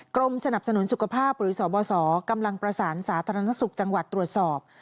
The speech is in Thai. กรมสนับสนุนสุขภาพหรือสบสกำลังประสานสาธารณสุขจังหวัดตรวจสอบ